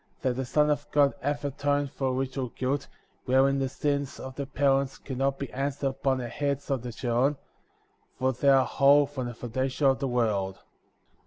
That the Son of God hath atoned for original guilt,*' wherein the sins of the parents can not be answered upon the heads of the children, for they are whole from the foundation of the world.